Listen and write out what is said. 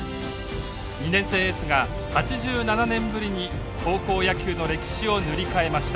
２年生エースが８７年ぶりに高校野球の歴史を塗り替えました。